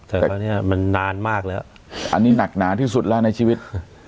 แต่ตอนนี้มันนานมากแล้วอันนี้หนักหนาที่สุดแล้วในชีวิต